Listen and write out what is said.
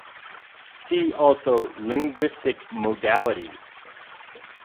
See also Linguistic modality.